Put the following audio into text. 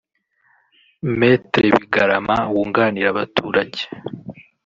Me Bigarama wunganira abaturage